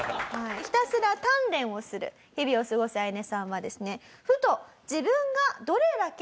ひたすら鍛錬をする日々を過ごすアヤネさんはですね